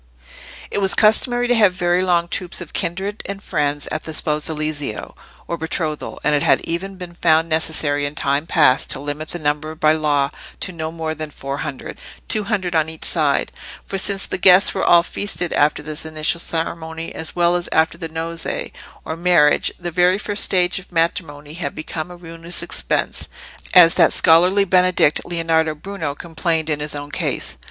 It was customary to have very long troops of kindred and friends at the sposalizio, or betrothal, and it had even been found necessary in time past to limit the number by law to no more than four hundred—two hundred on each side; for since the guests were all feasted after this initial ceremony, as well as after the nozze, or marriage, the very first stage of matrimony had become a ruinous expense, as that scholarly Benedict, Leonardo Bruno, complained in his own case.